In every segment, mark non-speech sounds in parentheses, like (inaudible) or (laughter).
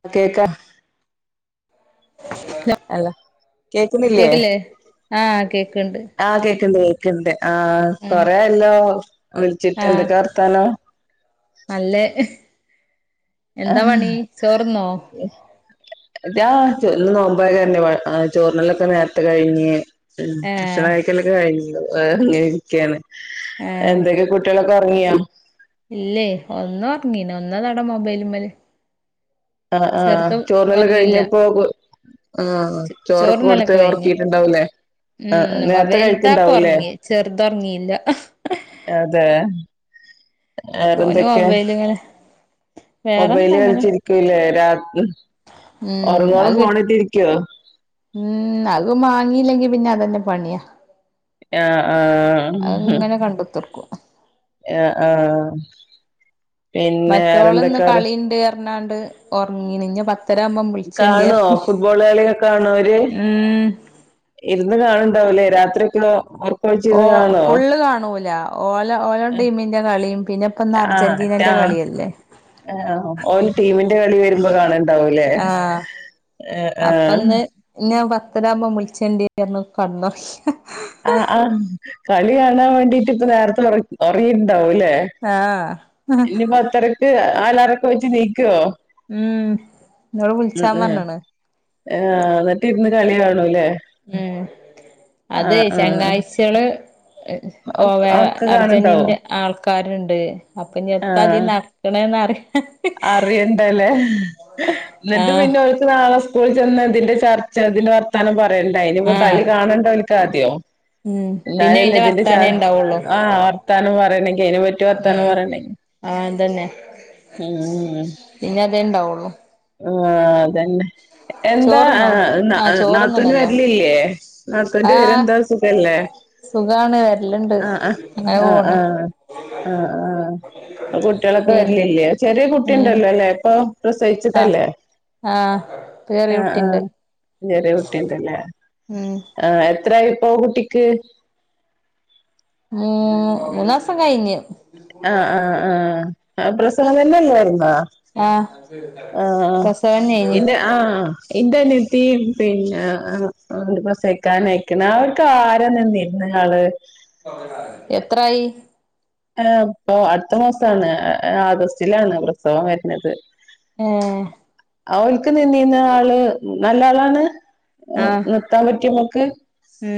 ആ കേക്ക (unintelligible) അലൊ കേട്ടില്ലേ ആ കേക്ക് ണ്ട് ആ കേക്കിണ്ട് കേക്കിണ്ട് ആഹ് കൊറാ യല്ലോ വിളിച്ചിട്ട് എന്തക്കെ വർത്താനം അല്ലെ എന്താ പണി ചോർന്നോ അതാ ഇന്ന് നോമ്പായ കാരണചോർന്നൊല്ലൊക്കെ നേരത്തെ കഴിഞ്ഞ് ഉ ഭക്ഷണ ഏഹ് കഴിക്കല്ലൊക്ക കഴി ഞ്ഞു വെഇ ങ്ങനെ ഇര്ക്കാണ് ഏഹ് എന്തൊക്കെ കുട്ടികളൊക്കെ ഒറങ്ങിയാ ഇല്ലേ ഒന്ന് ഒറങ്ങീന്ന് ഒന്ന അതാ മൊബൈല്മ്മല് ആ ആ ചെർത് ചോറിനല് ഒറങ്ങിയില്ല കഴിഞ്ഞപ്പോ ആഹ ചോറൊ ക്കെ കൊടുത്ത് ചോറ്ന്നലൊക്കെ കഴിഞ്ഞ് ഉറക്കിട്ടുണ്ടാവുലെ ഉം അവ വലുതാപ്പ ഉറങ്ങി ചെറുത് ഉറങ്ങിയില്ല അതെ ഓന് വെറെന്തൊക്കെ മൊബൈല്ങ്ങനെ മൊബൈല് വേറെന്തങ്ങനെ കലിച്ചിരിക്കൂല്ലേ രാത് ഉം ഓർങ്ങോളം അത് ഫോണേ റ്റ് ഇരിക്കുവോ ഉം അത് മാങ്ങില്ലെങ്കി പിന്നെ അതന്നെ പണിയാ ആഹ് ആഹ് അഹ് ങ്ങനെ കണ്ട് തർക്കും എ ആഹ പിന്നെ വേറെന്തക്കാറ് ന്നാ ണ്ട് ഉറങ്ങി ന്ന് ഇന്നി പത്തരാവുബം കാണോ ഫുട്ബോളി കളൊ കാണോ അവര് ഉം ഇരുന്ന് കാണ് ണ്ടാവൂലെ രാത്രിയക്കോ ഓ ഫുള്ള് കാണൂല ഓല ഓലോ ടീമിൻ്റെ കളീം പിന്നെ ഇപ്പം ഇന്ന് അർജന്റി നൻ്റെ കളിയല്ലേ ആ ഓ ന്ടീമിന്റെ കളി വരുമ്പോ കാണണ്ടാവുല്ലേ ആഹ് ആഹ ഞാൻ പത്തരാകുമ്പോ മുളിച്ചണ്ടിയിന്ന് കടന്നുറങ്ങി ആ് ആ് കളി കാണാൻ വേണ്ടീട്ട് ഇപ്പ നേരത്തെ ഉറങ്ങിട്ടുണ്ടാവും ല്ലേ ആഹ് ഇനി പത്തരക്ക് ആലറക്കെ വെച്ച് നീക്കുവോ ഉം ങ്ങള് വിൽച്ചാൻ പറഞ്ഞണ് ആ എന്നിട്ട് ഇരുന്ന് കളി കാണൂല്ലേ ഉം അതെയ് ആഹ് ചെങ്ങായിചേള് ഓ ഒക്കെ വേറെ ഒക്കെ കാണുണ്ടാവോ അർജന്റീന്റെ ആൾക്കാരുണ്ട് അപ്പൊ ഇനിത്ത അതി ആഹ് നടക്ക ക്ക്ണ എന്ന അറിയ അറിയണ്ടല്ലേ ന്നിട്ട് ആഹ് പിന്നെഓൽ ക്ക്‌ നാളെ സ്കൂളിൽ ചെന്ന് ഇതിന്റെ ചർച്ച ഇതിന്റെ വർത്താനം പറയണ്ട ഇനി കളി ആഹ് കാണണ്ടോലിക്കാദ്യോ ഉം പിന്നെ എന്നാലല്ല അയിന്റെ ഇതിന്റെ വർത്താനേ ഇണ്ടാവുള്ളൂ ആ വർത്താനം പറയണെങ്കി അതിനെ പറ്റി വർത്താനം പറയണെങ്കി ആഹതന്നെ ഉം പിന്നെ അതേ ഇണ്ടാവുള്ളൂ ആ അതന്നെ എന്താ ചോറ്ന്നോ ആഹ് നാത്തൂന് ചോറ്ന്ന്ണല്ലോ വരിലില്ലേ ആഹ് നാത്തൂന്റെവിവരന്താ സുഖല്ലേ സുഖാണ് വരല്ണ്ട് ആഹ അങ്ങനെ ആഹ ആഹ പോണ് ആഹ ആഹ ആഹ അപ്പോകുട്ടികളൊക്കെ പിന്നെ വരിലില്ലേ ചെറിയ കുട്ടി ഉം ഉണ്ടല്ലോ അല്ലേ ഇപ്പൊ പ്രസവിച്ചേ ആഹ് കൂട്ടല്ലേ ആഹ് ചെറിയ ആഹ ആഹ കുട്ടിണ്ട് ചെറിയ കുട്ടിണ്ടല്ലേ ഉം ആഹ എത്രായിപ്പോ കുട്ടിക്ക് മൂ മൂന്ന് മാസം കൈഞ്ഞ് ആഹ ആഹ് ആഹ ആ പ്രസവം തന്നെയല്ലാരുന്നാ ആഹാ പ്രസവന്നേയിന് ആഹ ഇൻ്റെനിയത്തിയിം പിന്നാ പ്രസവിക്കാനായി കണ് അവർക്ക് ആരാ നിന്നിരുന്ന ആൾ എത്രായി ആഹ ഇപ്പൊ അടുത്ത മാസാണ് ആഗസ്റ്റിലാണ് പ്രസവം വരുന്നത് ഏഹ് അവൾക്ക് നിന്നീന്ന ആള് നല്ല ആളാണ് ആഹ് നിർത്താൻ പറ്റിമമ്മക്ക് ഉം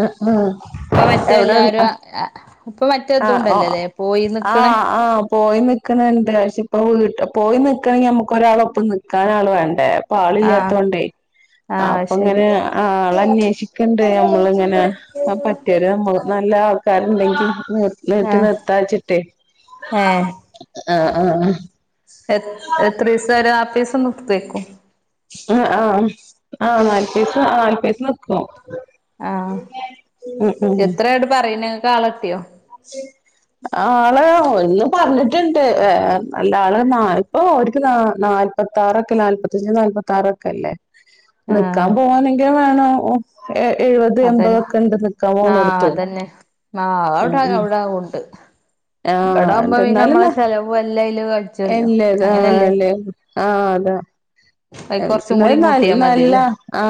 ആഹ ആഹ ഇപ്പൊ മറ്റെ എല്ലാരു ആഹ ഇപ്പ മറ്റെതുംണ്ടല്ലോല്ലേ പോയി നിക്കണേ പോയ് നിക്കണിണ്ട് പക്ഷെ ഇപ്പം വീട്ട പോയി നിക്കണെങ്കിൽ നമ്മുക്ക് ഒരാളൊപ്പം നിക്കാൻ ആള് വേണ്ടേ ആഹ് ഇപ്പാളില്ല്യാത്തോണ്ടേ ആഹ് അപ്പൊ ശരി ഇങ്ങനെ ആൾ അന്വേഷിക്കണ്ടേ മ്മളിങ്ങനെ ആ പറ്റിയര് നമ്മ നല്ലാ ആൾ ആൾക്കാർണ്ടെങ്കി നീട്ടി ആഹ് നിർത്തായിച്ചിട്ടേ ഏഹ് ആഹ് ആഹ് എ എത്രീസെം ഒരു നൽപീസെം നിർത്തേക്കും ആഹ ആഹ് ആഹ നൽപീസെം നൽപീസെം നിക്കും ആഹ് ഉം ഉം എത്രായിട് പറയിണ് ഇങ്ങക്കാളെ കിട്ടിയൊ (inaudible) ആള് ഒന്ന് പറഞ്ഞിട്ടിണ്ട് ഏഹ് നല്ല ആള് നാല് പ്പോ ഓൽക്ക് നാല് മുപ്പത്താറൊക്കെ നാല്പത്തഞ്ച് നാല്പത്താറൊക്കെ അല്ലേ ആഹ് നിക്കാൻ പോവാനെങ്കിലും വേണോ എഴുപത് അതന്നെ എൺമ്പതൊക്കെ ഉണ്ട് നിക്കാൻ ആഹ് പോണോടത്തിപ്പോ അതന്നെ ആഹ് അവടെ അവടെ ഉണ്ട് ആഹ് ഇവിടെ ആകുമ്പോ പിന്നെ നമ്മളെ എന്തെന്നാലെന്നാ ചെലവും എല്ലാം അയില് കജ്ജല്ലോ എല്ലേ അങ്ങനെയല്ലേ ആല്ലേ ആഹ് അതാ അത് കൊറച്ചും എന്നെ കൂടി ന കൂട്ടിയാ മതിയല്ലോ നല്ലാ ആ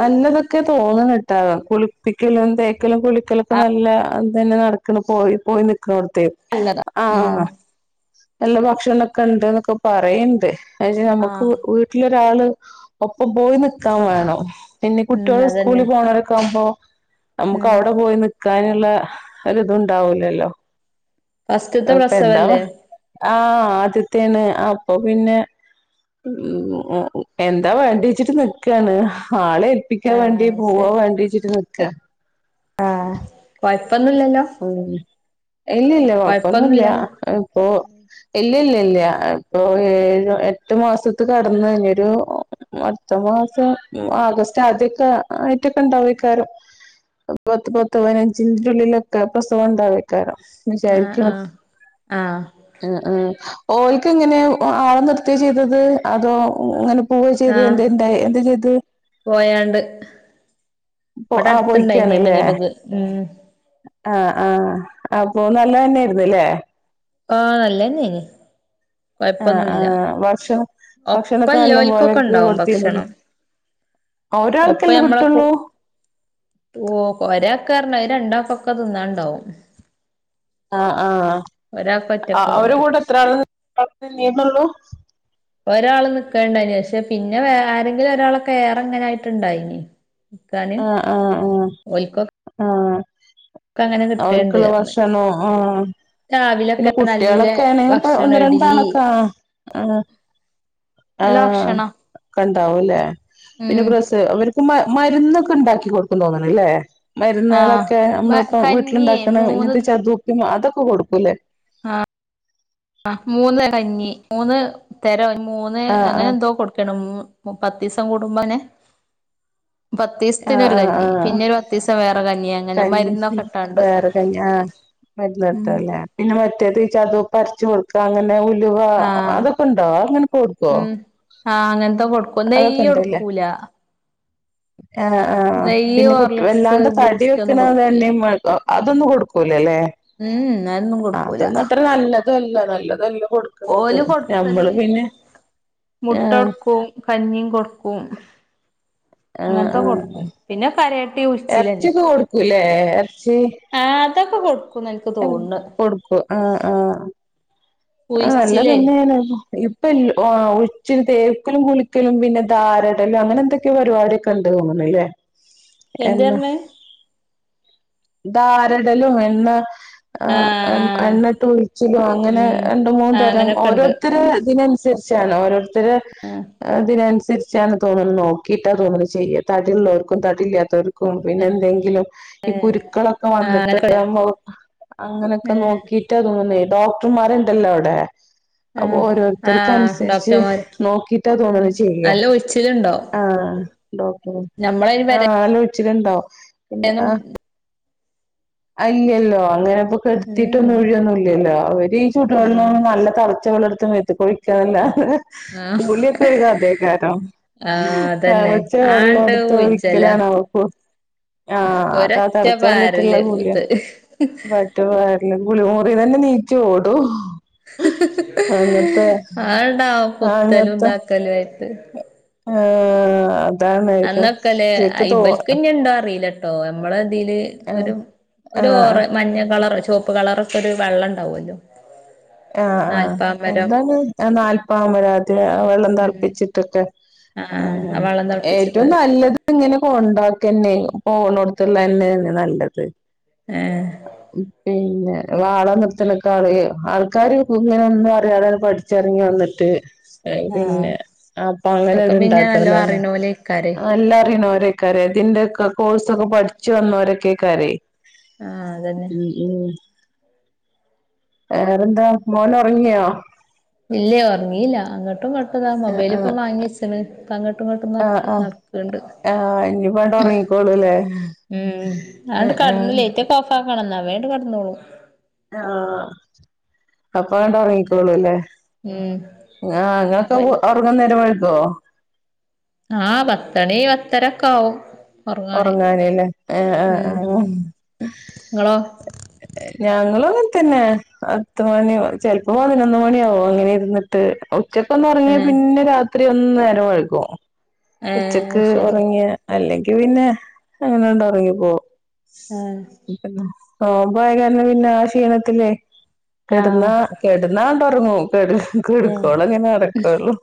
നല്ലതൊക്കെ തോന്നണിട്ടാ കുളിപ്പിക്കലും തേക്കലും കുളിക്കലൊക്കെ ആഹ് നല്ല ഇതന്നെ നട- ക്കിണ് പോയി പോയ് നിക്കണോടത്തേ നല്ലതാ ആഹ ഉം നല്ല ഭക്ഷണോക്കെ ഇണ്ടൂന്നൊക്കെ പറയണ്ട് പക്ഷേ നമ്മുക്ക് ആഹ് വീട്ടിലൊരാള് ഒപ്പം പോയ് നിക്കാൻ വേണം പിന്നീ ഉം കുട്ടിയോള് അതന്നെ സ്കൂളി പോണവരൊക്കെ ആവുമ്പോ നമ്മുക്ക് ഉം അവടെ പോയിന്ന് നിക്കാനുള്ള ഒരിതുണ്ടാവൂലല്ലോ ഫസ്റ്റ്ത്തെ ഇപ്പൊ എന്താവാ പ്രസവല്ലേ ആഹ് ആദ്യത്തേണ് അപ്പൊ പിന്നെ ഉം എന്താ വേണ്ടിച്ചിട്ട് നിക്കാണ് ആളെ പ്പിക്കാ വേണ്ടി ആഹ് പോവോവേണ്ടിച്ചിട്ട് നിക്കാ ആഹ കുഴപ്പൊന്നൂല്ലല്ലോ ഉം ഇല്ലില്ലാ കൊഴപ്പൊന്നില്ല കൊഴപ്പൊന്നുല്ലല്ലോ ഇപ്പൊ ഇല്ലി ഇല്ലി ഇല്ല്യാ ഇപ്പൊ ഏഴ് എട്ട് മാസത്ത് കടന്നൈഞ്ഞൊരു അടുത്ത മാസം ആഗസ്റ്റ് ആദ്യൊക്കെ ആയിട്ടൊക്കെ ഇണ്ടാവക്കാരം പത്ത് പത്ത് പതിനഞ്ചിനുള്ളില് വേം പ്രസവം ഉണ്ടാവേകരം ആഹ് വിചാരിക്ന് ആഹ് ആഹ് ഓൽക്ക് എങ്ങനെയാ ആളെ നിർത്തിയാ ചെയ്തത് അതോ ഇങ്ങനെ പോവേ ചെയ്ത് ആഹ് എന്തെ എന്താ ചെയ്ത് പോയാണ്ട് ഇവടെ ആഹ് അടുത്തണ്ടായിനി അങ്ങനൊരിത് ഉം ആഹ ആഹ അപ്പൊ നല്ലന്നെയായിരുന്നല്ലേ ഓഹ് നല്ലെന്നെനി ആഹ് ആഹ് ഭക്ഷണം ഭക്ഷണൊക്കെ നല്ല ഒപ്പല്ലോൽക്കൊക്കെ പോലെക്ക് ഉണ്ടാവും കൊടുത്തിന്നില്ലെ ഭക്ഷണം ഒരാൾക്കല്ലേ കിട്ടുള്ളൂ ഓ ഒരാക്കർനത് (unintelligible) രണ്ടാക്കൊക്കെ തിന്നാണ്ടാവും ആ ആഹ് ഒരാൾക്ക് അ ഒറ്റക്കാവൂല അവരെ കൂടെ എത്ര ആ (unintelligible) നുള്ളൂ (inaudible) ഒരാള് നിക്കണ്ടായിന് അക്ഷെ പിന്നെ വേ ആരെങ്കിലും ഒരാള് കയാറെങ്ങനൊയിട്ടുണ്ടായിനി ആഹ് ആഹ് ഓൽക്കൊ ആഹ് ആഹ് ഒക്കെ അങ്ങനെ കിട്ടേണ്ട് അവൾക്കുള്ള പറഞ്ഞ് ഭഷണോ ആഹ് രാവിലൊക്കെ പിന്നെ നല്ല കുട്ടിയളൊക്കെ ആണെ ഭക്ഷണം ഒന്ന് ഇഡ്ലി രണ്ടാളക്കെ ആ ആഹ് നല്ല ആഹ് ഭക്ഷണം കണ്ടാവുംല്ലെ പിന്നെ ഉം പ്രസ് അവർ മ മരുന്നൊക്കെ ഉണ്ടാക്കി കൊടുക്കും തോന്നണില്ലേ മരുന്നുകളൊക്കെ ആഹ് നമ്മളിപ്പം കഞ്ഞിയേ വീട്ടിലുണ്ടാക്കണ മൂന്ന് ഇങ്ങനതെ ചെറുതു (unintelligible) അതൊക്കെ കൊടുക്കൂല്ലേ ആഹ് മൂന്ന് കഞ്ഞി മൂന്ന് തെര മൂന്ന് ആഹ് അങ്ങനെ ആഹ് എന്തോ കൊട്- ക്കണം പത്തിസം കൂടുമ്പോനെ ആഹ് പത്തീസത്തിനൊരു ആഹ് കഞ്ഞി ആഹ് പിന്നെ ഒരു പത്തീസം വേറെ കഞ്ഞി അങ്ങനെ കഞ്ഞി മരുന്നൊക്കെ ഇട്ടാണ്ട് വേറെ കഞ്ഞി ആ ഉം മരുന്നിട്ടല്ലേ പിന്നെ മറ്റേത് ചതുപ്പരച്ച് കൊടുക്ക അങ്ങനെ ഉലുവ ആഹ് അതൊക്കെ ഉണ്ടോ അങ്ങനെ കൊടുക്കോ ഉം ആഹ് അങ്ങനത്തേ കൊടു- അതൊക്കെ ഉണ്ട്ല്ലേ ആഹ് ആ നെയ്യ് പിന്നെ കു ഹോർലിക്സ് വല്ലാണ്ട് തടി ബൂസ്റ്റ് ഒന്നും വെക്കുന്നത് കൊടുക്കൂല തന്നെ (unintelligible) അതൊന്നും കൊടുക്കലല്ലേ ഉം അതൊന്നും കൊടുക്കൂല അത്ര നല്ലതുല്ല നല്ലതല്ല കൊടു- ഓല് കൊടുക്കല് ആ മുട്ട ഒടുക്കും കഞ്ഞിയും കൊടുക്കും ആഹ് അങ്ങനത്തെ ആഹ് കൊടുക്കും പിന്നെ കരയട്ടി ഉഴിച്ചിലന്നെ ഇറച്ചി ആഹ് അതൊക്കെ കൊടു- (unintelligible) കൊടുക്കും ആഹ് ആഹ് ആ അല്ല ഉഴിച്ചിലേ തന്നെയാണ് ഇപ്- ഇപ്പ ഇൽ ഉഴിച്ചിന് തേക്കലും കുളിക്കലും പിന്നെ ധാരടലും അങ്ങനെ എന്തൊക്കെ പരിപാടൊക്കെ ഉണ്ട് തോന്നുന്നുല്ലേ എന്ത് എണ്ണ പറഞ്ഞേ ധാരടലും എണ്ണ ആഹ് ആ എണ്ണിട്ട് ഒഴിച്ചിലോ അങ്ങനെ ഉം രണ്ട് മൂന്നു ആ തരം അങ്ങനൊക്കെ ഉണ്ട് ഓരോത്തര് ഇതിനെ അസരിച്ചാണ് ഓരോരുത്തര് ആ അതിനനുസരിച്ച് ചാ തോന്നുന് നോക്കിയിട്ടാ തോന്നണ് ചെയ്യാ തടിയുള്ളൊർക്കും തടിയില്ലാത്തർക്കും പിന്നെ എന്തെങ്കിലും ഈ കുരുക്കളൊക്കെ ആ അങ്ങനൊക്കെ വന്നിട്ടൊക്കെ മൊഹ് അങ്ങനെയൊക്കെ നോക്കിട്- ട്ടാ തോന്നുനേ ഡോക്ടർമാരുണ്ടല്ലോ അവിടെ ആ അപ്പൊ ആ ഓരോരുത്തര്ക്ക് അനുസരിച്ച് ഡോക്ടർമാര് നോക്കിട്ടാ ഉം തോന്നുന്നു ചെയ്യാ നല്ല ഉഴിച്ചിലുണ്ടാവും ആഹ് ഡോക്ടർ ഞമ്മളതിന് (unintelligible) ആഹ് അല്- ചിരണ്ടൊ പിന്നെ ആ പെരേന്നും അയില്ലല്ലോ അങ്ങനെപ് - ഉം കെടുത്തിട്ടൊന്നും ഉഴിയൊന്നുല്ലല്ലോ അവര് ഈ ചുടു ആ വെള്ളം നല്ല തളച്ച വെള്ളടുത്ത് മെത്തേക്കൊഴിക്കാനല്ല ആ കൂളിയൊക്കെ (unintelligible) അതേ കാരം ആ അതന്നെ തളച്ച വെള്ളം ആണ്ട് എടുത്ത് ഉഴിച്ചലാ ഒഴിക്കലാണ് (unintelligible) ആഹ് അതാ ഒരൊറ്റ തളച്ച വെള്ളിട്ടുള്ള പാരല് കുളിയാ ഇത് റ്റ (unintelligible) കുളിമുറിന്നന്നെ നീച്ച് ഓടും അങ്ങനത്തെ ആടാ ആഹ് പുത്തലും അങ്ങനത്തെ ഇതാക്കലും ആയിട്ട് ആഹ് അ- അന്നൊക്കല്ലേ ഇബൽക്കിന്നെ ഉണ്ടോ അറിയില്ല ട്ടോ നമ്മളതില് ആഹ് ഒരു ആഹ് ഓറ് മഞ്ഞ കളറ് ചൊപ്- പ്പ് കളറൊക്കൊരു വെള്ളണ്ടാവല്ലോ ആഹ് ആഹ് എന്താന്ന് ആ നാല്പ്പാമരാദി അ വെള്ളം ഉം തിളപ്പിച്ചിട്ടൊക്കെ ആഹ് ആ വെള്ളം ഏറ്റവും തിളപ്പിച്ചിട്ട് നല്ലത് ഇങ്ങനെ കൊണ്ടാക്കന്നെ പോണൊടുത്തുള്ള തന്നെനെ നല്ലത് ഏ പിന്നെ വാള നൃത്തലൊക്കെ ആളുക ആൾക്ക ക്കാര് കുങ്ങനെന്നുംറിയാതെെ പഠിച്ചിറങ്ങി വന്നിട്ട് ആഹ് പിന്നെ അപ്പൊ അങ്ങനെ ഇതൊക്കെ പിന്നെ ഉണ്ടാക്ക നല്ലോ തന്നെ അറിയണോലേക്കാരെ നല്ല അറിയണംര കര അതിന്റെക്കെ കോഴ്സ്ൊക്കെ പഠിച്ചു വന്നോരൊക്കെ കറി ആഹ അതന്നെ ഉം വേറെന്താ മോന ഉറങ്ങിയോ ഇല്ലയോ ഉറങ്ങീല്ല അങ്ങോട്ടും പെട്ടതാ ആഹ് മൊബൈല ഇപ്പം ആഹ് വാങ്ങി വച്ചണ് തങ്ങോട്ടും ഇങ്ങോട്ടും ആഹ് നടക്ക് ആഹ് നടക്കണ്ട് ആഹ് ഇനിപ്പണ്ട് ഉറങ്ങിക്കോളൂല്ലേ ഉം ഉം അിട്ട് ഉം കടന്നില്ലേ റ്റ കോഫ ആക്കണന്ന അവേട്ട് കടന്നോളൂ ആഹ അപ്പ അങ്ങണ്ട ഉറങ്ങിക്കോളൂ അല്ലേ ഉം ആഹ അങ്ങൊക്കെ അപ്പ അവർങ്ങ നേരുമ്പോഴക്കോ ആഹ് പത്തണി പത്തരക്ക ആാവവും ഉറങ്ങാനല്ലേ ആ ആ ആ ങ്ങളോ ഞങ്ങളും അങ്ങനെ തന്നെ അത്ത മണി ചെിലപ്പോ പതിനൊന്ന് മണിയാാവോ അങ്ങനെ ഇരുന്നിട്ട് ഉച്ചക്കൊന്ന് ഏ ഉറങ്ങിയ പിന്നെ രാത്രി ഒന്ന് നേരം വഴക്കും ഏ ഉച്ചക്ക് ശരി ഉറങ്ങിയ അല്ലെങ്കി പിന്നെ അങ്ങനെണ്ട് ഉറങ്ങിപ്പോ ആഹ ഓ പോയ കാരന പിന്നെ ആ ക്ഷീണത്തിേ ആ കിടന്ന കെടുന്നാ അങ്ങാട്ട്റങ്ങൂ കെട ഏ എടുക്കള അങ്ങനെ അരക്കുള്ളൂ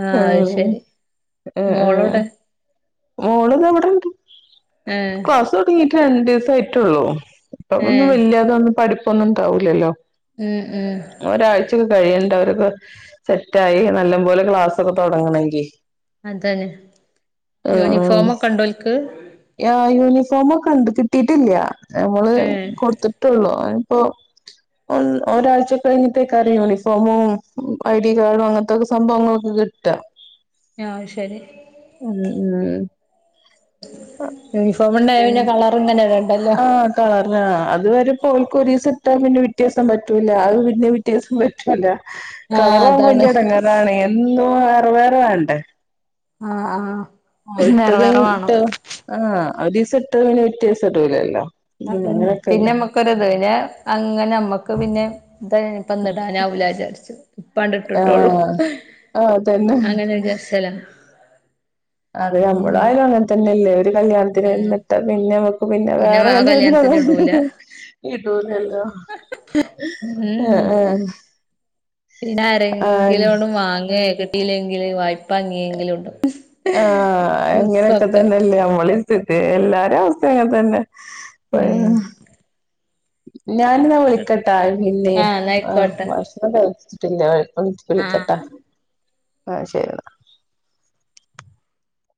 ആ അത് ഉ ശരി ആ മോളെവിടെ മോള ഇത് എവിടെണ്ട് ഏ ക്ലാസ് തുടങ്ങിട്ട് രണ്ട ദിവസയിട്ടുള്ളൂ ഇപ്പ ഏ ഒന്നും വല്ാതെന്ന പഠപ്പൊന്നും ഉണ്ടാവൂില്ലല്ലോ ഉം ഉം ഒരാഴ്ചക്കെ കഴിയണ്ട അവരൊക്കെ സെറ്റായി നല്ല പോോലെ ക്ലാസ്സൊക്കെ തുടങ്ങണമെങ്കി അതന്നെ യൂണിഫോമൊക്കെ ഉണ്ടോലക്ക് ആ യൂണിഫോമ ഒക്കെണ്ട് കിട്ടിയിട്ടില്ല നമ്മ ഉം കൊടുത്തിട്ടുള്ളൂപ്പോൊ ഒരാഴ്ച കഴിഞ്ഞിത്തേക്കാറും യൂണിഫോമും ഐ ഡി കാർഡും അങ്ങനത്തെ ത്തെ സംഭവങ്ങളൊക്കെ കിട്ടാം ആഹ് ശരി ഉം ഉം യൂണിഫോമ ഉണ്ടായ പിന്ന കളർ ഇങ്ങനെ വേണ്ടണ്ട് ആഹ കാരണം അത്വരെ പോൽക്കര സിട്ടാൻ പിന്നെ വ്യത്യാസം പറ്റൂില്ല അത് പിന്നെ വ്യത്യാസം ല്ല ആ കളറ വലിയ അതാണ് ഇടങ്ങാനാണ് എും വേറെ വേറെ വണണ്ടേ ആഹ ആഹ ഓ ഇട്ടത് ഇട്ട ആ് ഒരു ദിവസം ഇട്ടത് പിന്നെ പിറ്റേദിവസംഇടുല്ലല്ലോ അതന്നെ പിന്നെ നമ്മക്കൊത്ന്നെ അങ്ങനെ നമ്മക്ക് പിന്നെ ഇപ്പന്നിടാൻാവലാചാരിച്ചു ഇപ്പാണ്ട ഇട്ടുട്ടോളൂ ആഹ് ആഹ് അതന്നെ അങ്ങനെ വിചാസ്ല്ല അത് നമ്മളായാലും അങ്ങനെ തന്നെല്ലേ ഒരു കല്യാണത്തിന് വരുന്നിട്ട് പിന്നെ പിന്നെ വേറെ ആ വല്ല എന്തിന് കല്യാണത്തിന് ഇടൂല ഇതന്നല്ല ആഹ ഉം ആഹ പിന്നെ ആരെങ്കിലും ഒും വാങ്ങ കേക്കട്ടീല്ലെങ്കില് വായ്പ അങ്ങിയെങ്കിലും ഉണ്ടും ആഹ എങ്ങനെയൊക്കെ തന്നെല്ലേ നമ്മളി സ്ഥി എല്ലാരും അവസ്ഥ അങ്ങനെ തന്നെ ഉം (unintelligible) ഞാന് ന്നാ വിളിക്കട്ടാ പിന്നെ ആഹ് എന്നാ ആ ആയിക്കോട്ടെ ഭഷ് ക്ഷണം കഴിച്ചിട്ടില്ല വിളി ആഹ് വിളിക്കട്ടൊ ആ ശെരി ന്നാ